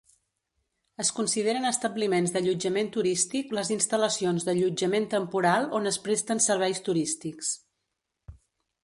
Es consideren establiments d'allotjament turístic les instal·lacions d'allotjament temporal on es presten serveis turístics.